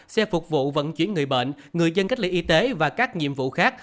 xe phục vụ vận chuyển người bệnh người dân cách ly y tế và các nhiệm vụ khác